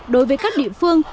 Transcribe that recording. đối với các địa phương